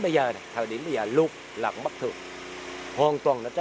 và chống dịch khách